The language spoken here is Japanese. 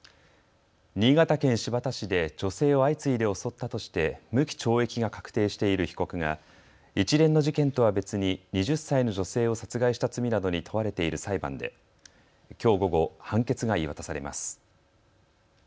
新潟県新発田市で女性を相次いで襲ったとして無期懲役が確定している被告が、一連の事件とは別に、２０歳の女性を殺害した罪などに問われている裁判で、きょう午後、判決が言い渡されます。